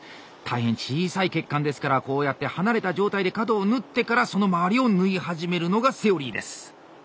大変小さい血管ですからこうやって離れた状態で角を縫ってからその周りを縫い始めるのがセオリーです。